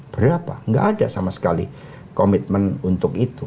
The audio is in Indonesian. berapa nggak ada sama sekali komitmen untuk itu